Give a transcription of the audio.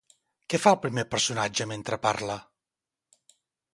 Què fa el primer personatge mentre parla?